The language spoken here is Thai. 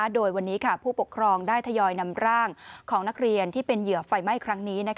โดยวันนี้ผู้ปกครองได้ทยอยนำร่างของนักเรียนที่เป็นเหยื่อไฟไหม้ครั้งนี้